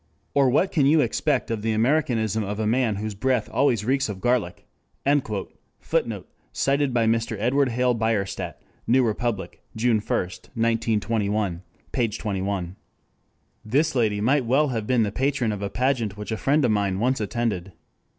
Or what can you expect of the Americanism of the man whose breath always reeks of garlic?" [Footnote: Cited by Mr. Edward Hale Bierstadt, New Republic, June 1 1921 p. 21.] This lady might well have been the patron of a pageant which a friend of mine once attended.